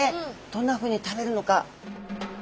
どんなふうに食べるのか。